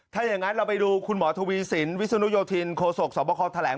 ถ้าอย่างนั้นเราไปดูคุณหมอทวีสินวิศนุโยธินโคศกสวบคอแถลง